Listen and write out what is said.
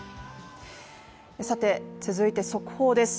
続いて、速報です。